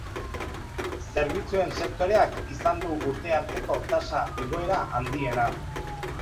Zerbitzuen sektoreak izan du urte arteko tasa igoera handiena.